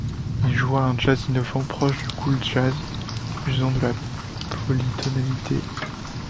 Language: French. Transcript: Il joua un jazz innovant proche du cool jazz, usant de la polytonalité.